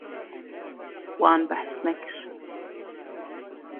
Wan behs nekir.